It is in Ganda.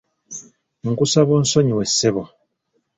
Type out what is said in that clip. Nkusaba onsonyiwe ssebo.